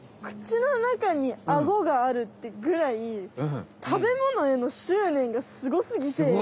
口の中にあごがあるってぐらい食べものへのしゅうねんがすごすぎて。